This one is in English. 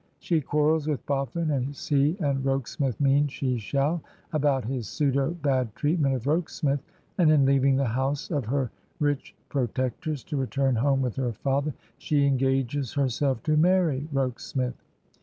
She quarrels with Boffin, as he and Rokesmith mean she shall, about his pseudo bad treatment of Rokesmith, and in leaving the house of her rich protectors, to return home with her father, she engages herself to marry Rokesmith.